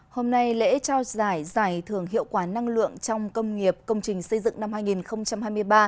hôm nay lễ trao giải giải thưởng hiệu quả năng lượng trong công nghiệp công trình xây dựng năm hai nghìn hai mươi ba